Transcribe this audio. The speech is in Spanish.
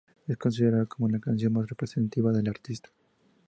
Es considerada como la canción más representativa del artista.